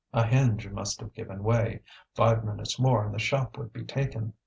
A hinge must have given way; five minutes more and the shop would be taken.